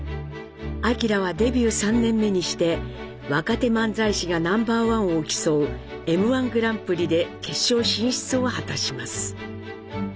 明はデビュー３年目にして若手漫才師がナンバーワンを競う「Ｍ−１グランプリ」で決勝進出を果たします。